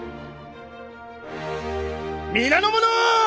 皆の者！